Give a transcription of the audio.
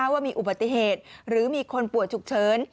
ว่ามีอุบัติเหตุหรือมีคนป่วยฉุกเฉิน